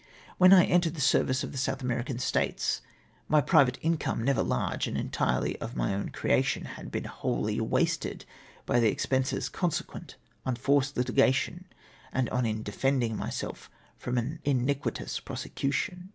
When I entered the service of the South American States, my private in come, never large, and entirely of my own creation, had been wholly wasted by the expenses consequent on forced htigation and in defending myself from an iniquitous prosecution.